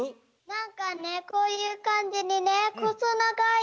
なんかねこういうかんじにねほそながい。